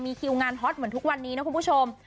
มีคิวงานฮอตเหมือนทุกวันนี้นะคุณผู้ชม